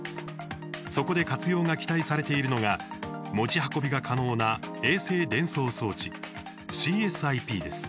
そこで活用が期待されているのが持ち運びが可能な衛星伝送装置「ＣＳ−ＩＰ」です。